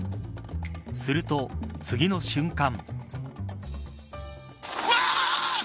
すると、次の瞬間。